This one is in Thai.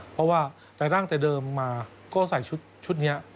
เพราะว่าแต่ตั้งแต่เดิมมาก็ใส่ชุดนี้